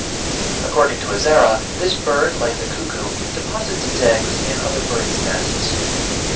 According to Azara, this bird, like the cuckoo, deposits its eggs in other birds' nests.